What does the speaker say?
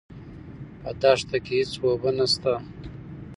په دښته کې هېڅ اوبه نشته.